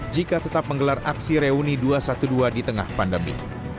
jika tetap menggelar aksi reuni dua ratus dua belas di tengah pandemi